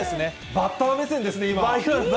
バッター目線です。